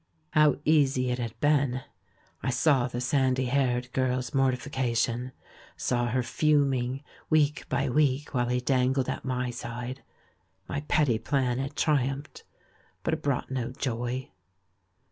How easy it had been ! I saw the sandy haired girl's mortification, saw her fuming, week by week, w^hile he dangled at my side. JNly petty plan had triumphed — but it brought no joy.